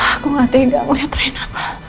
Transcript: aku gak tega ngeliat rena